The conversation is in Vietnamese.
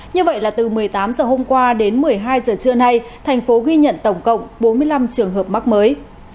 như vậy là từ một mươi tám h hôm qua đến một mươi hai giờ trưa nay thành phố ghi nhận tổng cộng bốn mươi năm trường hợp mắc mới